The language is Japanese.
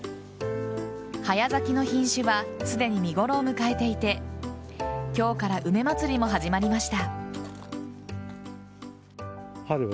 早咲きの品種はすでに見頃を迎えていて今日から梅まつりも始まりました。